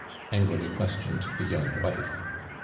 angrily questioned the yotmg wife.